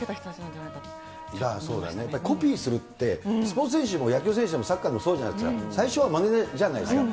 だからそうだね、コピーするって、スポーツ選手も野球選手でもサッカーでもそうじゃないですか、最初はまねじゃないですか。